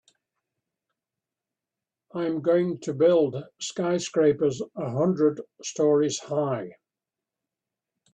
I'm going to build skyscrapers a hundred stories high.